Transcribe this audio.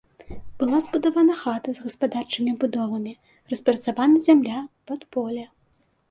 Была збудавана хата з гаспадарчымі будовамі, распрацавана зямля пад поле.